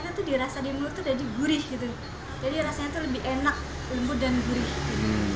nah itu dirasa di mulut jadi gurih gitu jadi rasanya itu lebih enak lembut dan gurih gitu